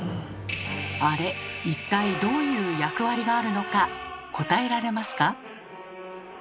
あれ一体どういう役割があるのか答えられますか？